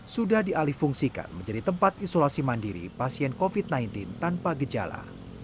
sudah dialih fungsikan menjadi tempat isolasi mandiri pasien covid sembilan belas tanpa gejala